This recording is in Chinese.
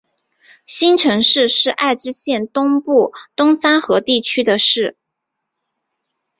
新城市是爱知县东部东三河地区的市。